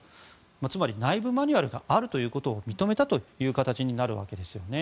つまり内部マニュアルがあるということを認めたという形になるわけですね。